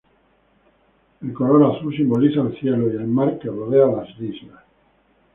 El color azul simboliza al cielo y el mar que rodea a las islas.